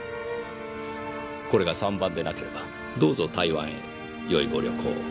これが３番でなければどうぞ台湾へよいご旅行を。